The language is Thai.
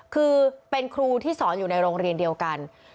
คือเป็นครูที่สอนอยู่ในโรงเรียนเดียวกัน